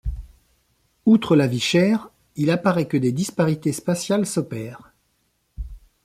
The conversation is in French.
Outre la vie chère, il apparaît que des disparités spatiales s'opèrent.